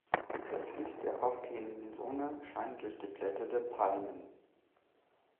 Das Licht der aufgehenden Sonne scheint durch die Blätter der Palmen.